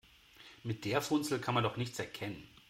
Mit der Funzel kann man doch nichts erkennen.